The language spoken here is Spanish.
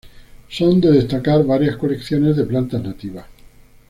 Son de destacar varias colecciones de plantas nativas.